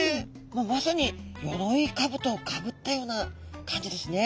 もうまさによろいかぶとをかぶったような感じですね。